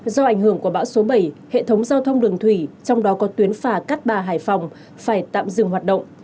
do ảnh hưởng của bão số bảy hệ thống giao thông đường thủy trong đó có tuyến phà cát bà hải phòng phải tạm dừng hoạt động